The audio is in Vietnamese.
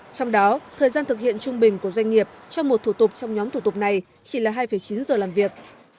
trong đó thời gian thực hiện trung bình của doanh nghiệp cho một thủ tục trong nhóm thủ tục này chỉ là hai chín giờ làm việc